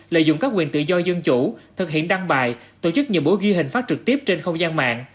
lợi dụng các quyền tự do dân chủ thực hiện đăng bài tổ chức nhiều bố ghi hình phát trực tiếp trên không gian mạng